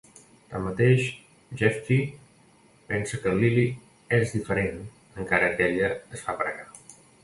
Tanmateix, Jefty pensa que Lily és "diferent", encara que ella es fa pregar.